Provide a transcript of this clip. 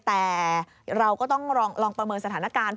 แต่เราก็ต้องลองประเมินสถานการณ์